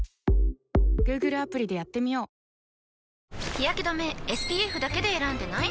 日やけ止めＳＰＦだけで選んでない？